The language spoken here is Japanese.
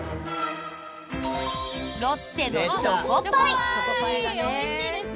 ロッテのチョコパイ。